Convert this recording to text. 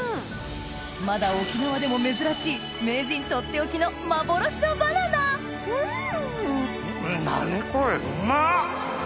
まだ沖縄でも珍しい名人とっておきの幻のバナナん！